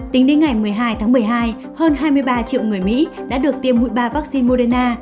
tính đến ngày một mươi hai tháng một mươi hai hơn hai mươi ba triệu người mỹ đã được tiêm mũi ba vaccine moderna